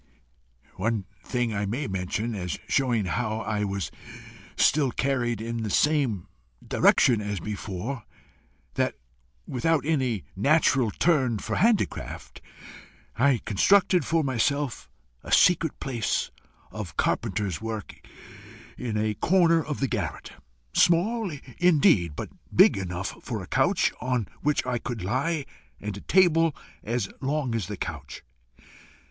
One thing I may mention, as showing how I was still carried in the same direction as before that, without any natural turn for handicraft, I constructed for myself a secret place of carpenter's work in a corner of the garret, small indeed, but big enough for a couch on which I could lie, and a table as long as the couch.